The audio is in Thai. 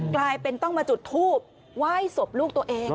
กลายเป็นต้องมาจุดทูบไหว้ศพลูกตัวเอง